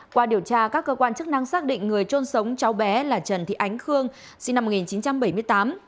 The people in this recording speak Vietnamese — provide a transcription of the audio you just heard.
qua điều tra các cơ quan chức năng xác định người trôn sống cháu bé là trần thị ánh khương sinh năm một nghìn chín trăm bảy mươi tám